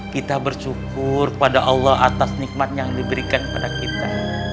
kita bersyukur kepada allah atas nikmat yang diberikan kepada kita